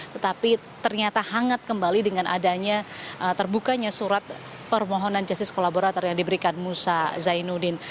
tetapi ternyata hangat kembali dengan adanya terbukanya surat permohonan justice kolaborator yang diberikan musa zainuddin